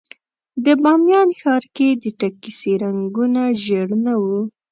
د بامیان ښار کې د ټکسي رنګونه ژېړ نه وو.